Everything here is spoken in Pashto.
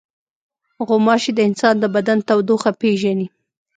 غوماشې د انسان د بدن تودوخه پېژني.